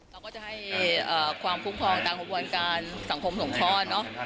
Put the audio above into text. เราก็จะให้ความภูมิความตามควบความการสังคมสงครองเนอะ